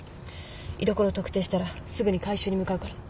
居所を特定したらすぐに回収に向かうから。